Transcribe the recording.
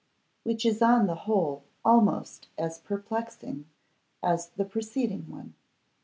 Which Is on the Whole Almost as Perplexing as the Preceding One.